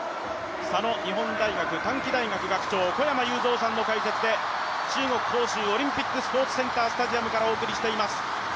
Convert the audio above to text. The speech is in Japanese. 佐野日本大学、短期大学学長小山裕三さんの解説で中国・杭州オリンピックスポーツセンタースタジアムからお送りしています。